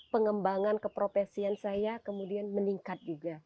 pengembangan keprofesian saya kemudian meningkat juga